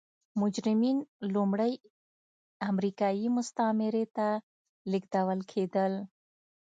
مجرمین لومړی امریکايي مستعمرې ته لېږدول کېدل.